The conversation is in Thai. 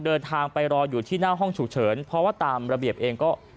เดินทางไปรออยู่ที่หน้าห้องฉุกเฉินเพราะว่าตามระเบียบเองก็